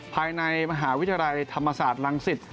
ภายในมหาวิทยาลัยธรรมศาสตร์รังสิต